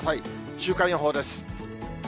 週間予報です。